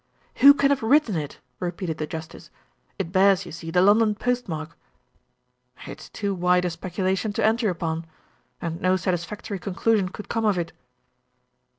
"Who can have written it?" repeated the justice. "It bears, you see the London Post mark." "It is too wide a speculation to enter upon. And no satisfactory conclusion could come of it."